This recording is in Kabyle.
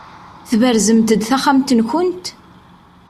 Tberzemt-d taxxamt-nkent?